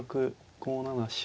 ５七飛車